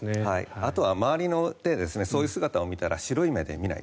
あとは周りもそういう姿を見たら白い目で見ない。